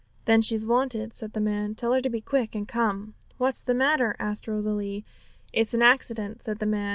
'Then she's wanted,' said the man; 'tell her to be quick and come.' 'What's the matter?' asked Rosalie. 'It's an accident,' said the man.